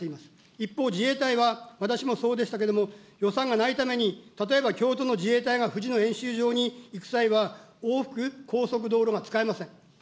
一方、自衛隊は、私もそうでしたけども、予算がないために、例えば京都の自衛隊が富士の演習場に行く際は、往復高速道路が使えません。